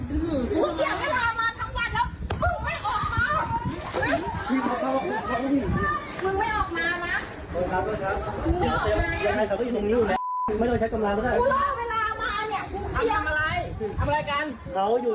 ออกพรุ่งเดียวเวลาเวลาไปเดือนคืนน่ะมึง